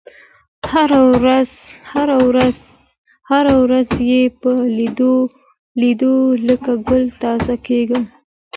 هره ورځ یې په لېدلو لکه ګل تازه کېدمه